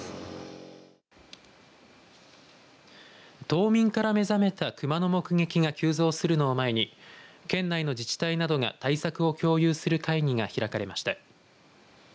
冬眠から目覚めたクマの目撃が急増するのを前に県内の自治体などが対策を共有する会議が開かれました。